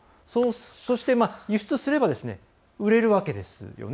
そして、輸出すれば売れるわけですよね。